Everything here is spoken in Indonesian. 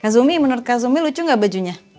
kazumi menurut kazumi lucu gak bajunya